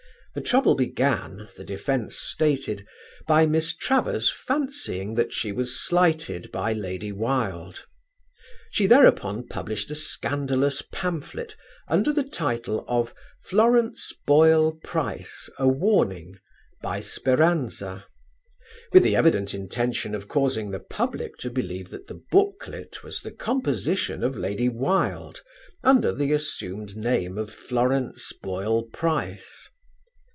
The trouble began, the defence stated, by Miss Travers fancying that she was slighted by Lady Wilde. She thereupon published a scandalous pamphlet under the title of "Florence Boyle Price, a Warning; by Speranza," with the evident intention of causing the public to believe that the booklet was the composition of Lady Wilde under the assumed name of Florence Boyle Price.